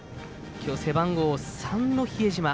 今日、背番号３なの比江島。